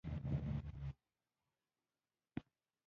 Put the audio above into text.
درناوی د فرد شخصیت لوړوي او ارزښت ورکوي.